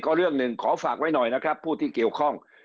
ก็เรื่องหนึ่งขอฝากไว้หน่อยนะครับผู้ที่เกี่ยวข้อง